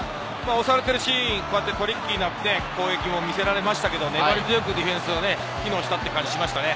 押されているシーン、トリッキーな攻撃も見せられましたけど、粘り強くディフェンスが機能した感じがしましたね。